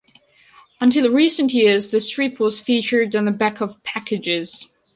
Until recent years the strip was featured on the back of packages.